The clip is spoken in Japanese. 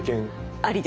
ありです。